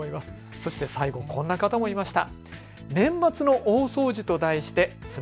そして最後、こんな方もいました。